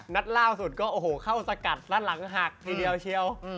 นัดล่าสุดก็โอ้โหเข้าสกัดด้านหลังหักทีเดียวเชียว